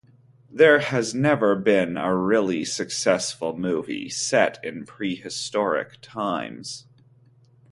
There has never been a really successful movie set in prehistoric times.